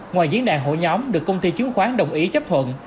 ngoài diễn đàn hội nhóm được công ty chứng khoán đồng ý chấp thuận